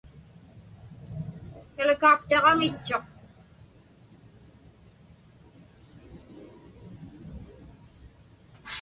Hialikaptaġaŋitchuq.